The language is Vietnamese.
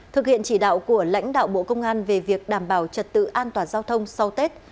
thực hiện chỉ đạo của lãnh đạo bộ công an về việc đảm bảo trật tự an toàn giao thông sau tết